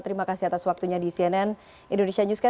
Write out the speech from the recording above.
terima kasih atas waktunya di cnn indonesia newscast